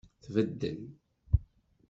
Tbeddel.